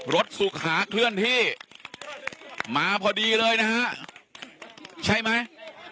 สุขหาเคลื่อนที่มาพอดีเลยนะฮะใช่ไหม